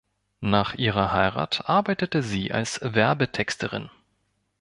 Nach ihrer Heirat arbeitete sie als Werbetexterin.